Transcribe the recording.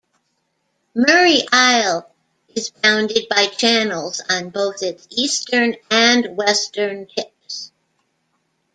Murray Isle is bounded by channels on both its eastern and western tips.